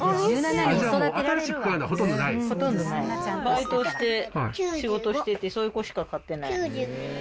バイトして仕事しててそういう子しか買ってない。